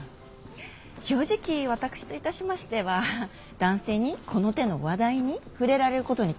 正直私といたしましては男性にこの手の話題に触れられることに抵抗があります。